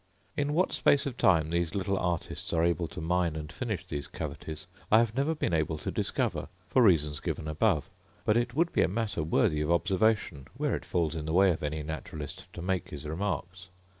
In what space of time these little artists are able to mine and finish these cavities I have never been able to discover, for reasons given above; but it would be a matter worthy of observation, where it falls in the way of any naturalist to make his remarks.